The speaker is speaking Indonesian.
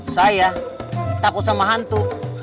saya takut sama hantu